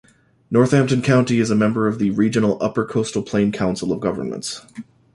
Northampton County is a member of the regional Upper Coastal Plain Council of Governments.